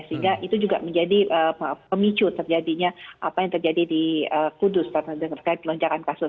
sehingga itu juga menjadi pemicu terjadinya apa yang terjadi di kudus terkait lonjakan kasus